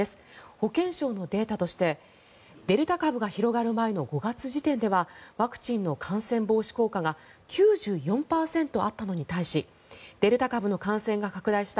保健省のデータとしてデルタ株が広がる前の５月時点ではワクチンの感染防止効果が９４％あったのに対しデルタ株の感染が拡大した